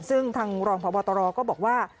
ซึ่งทางรองพบตรก็บอกว่า